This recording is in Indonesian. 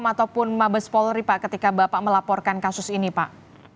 ataupun mabes polri pak ketika bapak melaporkan kasus ini pak